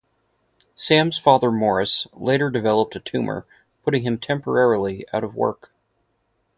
Sam's father Morris later developed a tumor putting him temporarily out of work.